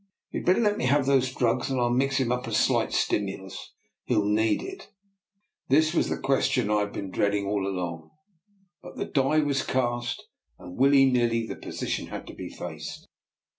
You had better let me have those drugs and I'll mix him up a slight stimulus. He'll need it." This was the question I had been dreading all along, but the die was cast and willy nilly the position had to be faced.